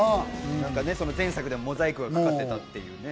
前作でもモザイクがかかってたってね。